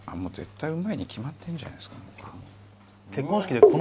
絶対うまいに決まってるじゃないですか。